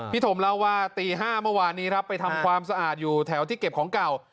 ถมเล่าว่าตี๕เมื่อวานนี้ครับไปทำความสะอาดอยู่แถวที่เก็บของเก่า